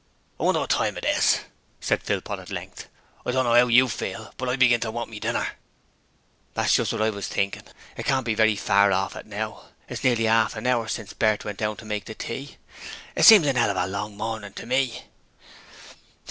'I wonder what time it is?' said Philpot at length. 'I don't know 'ow you feel, but I begin to want my dinner.' 'That's just what I was thinking; it can't be very far off it now. It's nearly 'arf an hour since Bert went down to make the tea. It seems a 'ell of a long morning to me.'